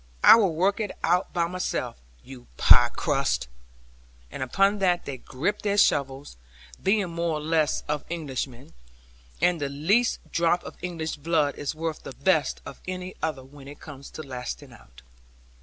I will work it out by myself, you pie crusts,' and upon that they gripped their shovels, being more or less of Englishmen; and the least drop of English blood is worth the best of any other when it comes to lasting out.